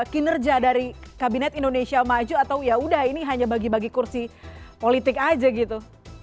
kinerja dari kabinet indonesia maju atau ya udah ini hanya bagi bagi kursi politik aja gitu